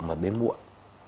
mà đến muộn